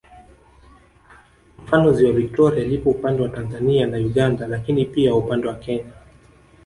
Mfano ziwa Viktoria lipo upande wa Tanzania na Uganda lakini pia upande wa Kenya